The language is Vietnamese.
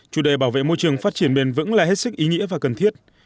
chủ đề bảo vệ môi trường phát triển bền vững là hết sức ý nghĩa và cần thiết